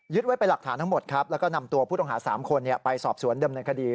ไว้เป็นหลักฐานทั้งหมดครับแล้วก็นำตัวผู้ต้องหา๓คนไปสอบสวนเดิมเนินคดี